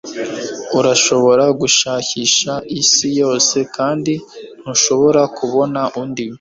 Urashobora gushakisha isi yose kandi ntushobora kubona undi